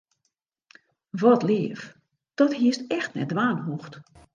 Wat leaf, dat hiest echt net dwaan hoegd.